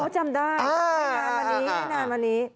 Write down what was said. จำได้ไม่นานวันนี้